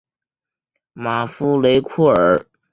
马夫雷库尔。